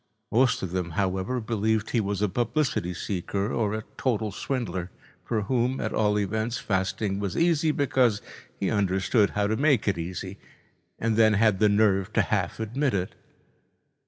Most of them, however, believed he was a publicity seeker or a total swindler, for whom, at all events, fasting was easy, because he understood how to make it easy, and then had the nerve to half admit it.